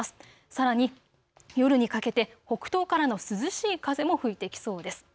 さらに夜にかけて北東からの涼しい風も吹いてきそうです。